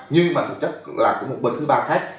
nhưng mà thực chất cũng là của một bên thứ ba khác